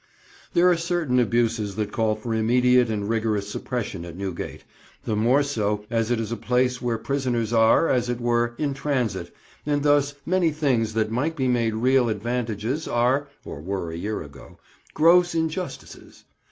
There are certain abuses that call for immediate and rigorous suppression at Newgate, the more so as it is a place where prisoners are, as it were, in transit, and thus many things that might be made real advantages are (or were a year ago) gross injustices.